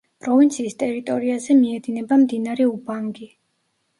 პროვინციის ტერიტორიაზე მიედინება მდინარე უბანგი.